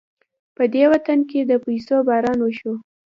په دې وطن د پيسو باران وشو.